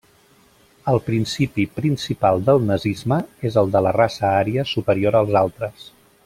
El principi principal del nazisme és el de la raça ària superior als altres.